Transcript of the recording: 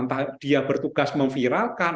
entah dia bertugas memviralkan